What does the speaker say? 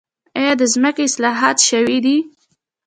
آیا د ځمکې اصلاحات شوي دي؟